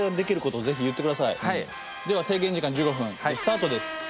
では制限時間１５分スタートです。